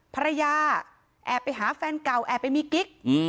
ภรรยาแอบไปหาแฟนเก่าแอบไปมีกิ๊ก